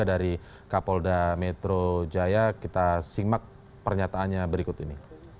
ada pernyataan juga dari kapolda metro jaya kita simak pernyataannya berikut ini